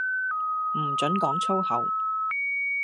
唔准講粗口